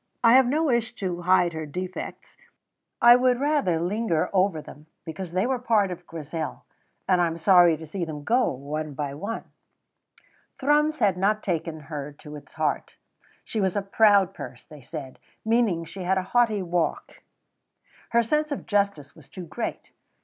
I have no wish to hide her defects; I would rather linger over them, because they were part of Grizel, and I am sorry to see them go one by one. Thrums had not taken her to its heart. She was a proud purse, they said, meaning that she had a haughty walk. Her sense of justice was too great.